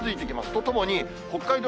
とともに、北海道